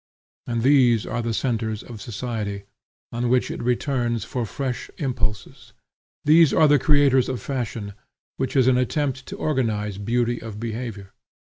And these are the centres of society, on which it returns for fresh impulses. These are the creators of Fashion, which is an attempt to organize beauty of behavior.